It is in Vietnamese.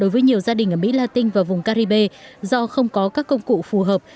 với nhiều gia đình ở mỹ latin và vùng caribe do không có các công cụ phù hợp